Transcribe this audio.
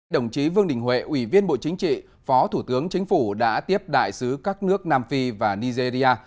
đồng chí vương đình huệ ủy viên bộ chính trị phó thủ tướng chính phủ đã tiếp đại sứ các nước nam phi và nigeria